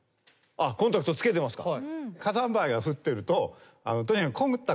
コンタクトつけてますか？